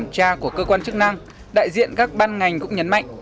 các kiểm tra của cơ quan chức năng đại diện các ban ngành cũng nhấn mạnh